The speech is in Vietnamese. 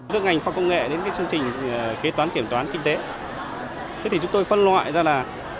từ ngành khoa công nghệ đến cái chương trình kế toán kiểm toán kinh tế thế thì chúng tôi phân loại ra là